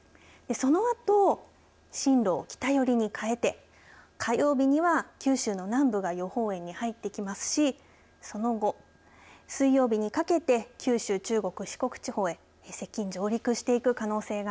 そのあと進路を北寄りに変えて火曜日には九州の南部が予報円に入ってきますしその後、水曜日にかけて九州、中国、四国地方へ接近、上陸していく可能性が